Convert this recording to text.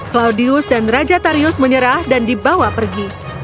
claudius dan raja tarius menyerah dan dibawa pergi